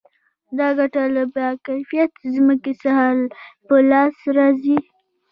دا ګټه له با کیفیته ځمکې څخه په لاس راځي